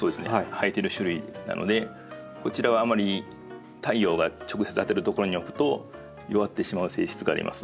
生えてる種類なのでこちらはあんまり太陽が直接当たる所に置くと弱ってしまう性質があります。